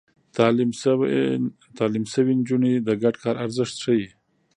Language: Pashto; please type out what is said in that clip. تعليم شوې نجونې د ګډ کار ارزښت ښيي.